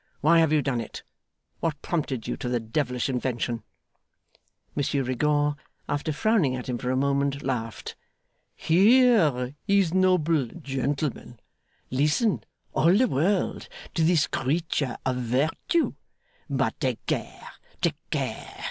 Why have you done it? What prompted you to the devilish invention?' Monsieur Rigaud, after frowning at him for a moment, laughed. 'Hear this noble gentleman! Listen, all the world, to this creature of Virtue! But take care, take care.